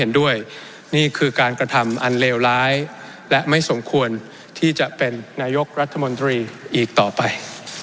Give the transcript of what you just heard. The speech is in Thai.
นี่คือการกระทำอันเลวร้ายและไม่สมควรที่จะเป็นนายกรัฐมนตรีอีกต่อไป